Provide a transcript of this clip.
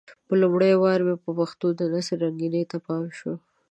په لومړي وار مې د پښتو د نثر رنګينۍ ته پام شو.